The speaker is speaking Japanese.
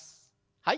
はい。